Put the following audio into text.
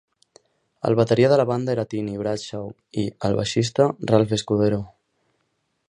El bateria de la banda era Tiny Bradshaw i, el baixista, Ralph Escudero.